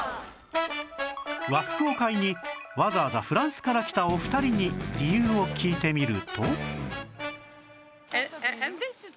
和服を買いにわざわざフランスから来たお二人に理由を聞いてみると